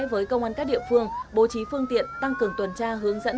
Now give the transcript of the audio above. với công an các địa phương bố trí phương tiện tăng cường tuần tra hướng dẫn